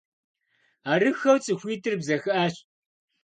Арыххэу цӀыхуитӏыр бзэхащ.